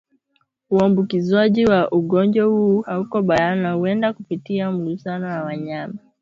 Uambukizwaji wa ugonjwa huu hauko bayana huenda kupitia mgusano wa wanyama